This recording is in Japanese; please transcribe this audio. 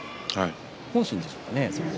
本心でしょうかね。